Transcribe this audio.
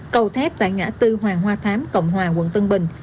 cầu thép tại ngã tư hoàng hoa thám cộng hòa quận tân bình